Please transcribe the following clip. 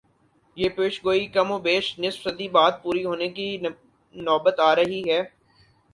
یہ پیشگوئی کم و بیش نصف صدی بعد پوری ہونے کی نوبت آ رہی ہے۔